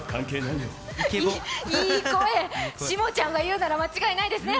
いい声、下ちゃんが言うなら間違いないですね。